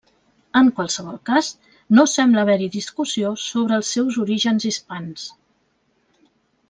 En qualsevol cas no sembla haver-hi discussió sobre els seus orígens hispans.